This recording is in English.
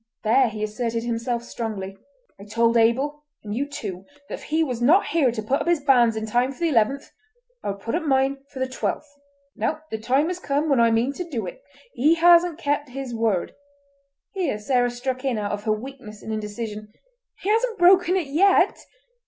There he asserted himself strongly: "I told Abel, and you too, that if he was not here to put up his banns in time for the eleventh, I would put up mine for the twelfth. Now the time has come when I mean to do it. He hasn't kept his word"—here Sarah struck in out of her weakness and indecision: "He hasn't broken it yet!"